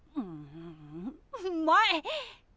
うまい！